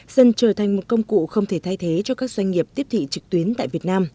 dần trở thành một công cụ không thể thay thế cho các doanh nghiệp tiếp thị trực tuyến tại việt nam